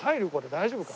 大丈夫か？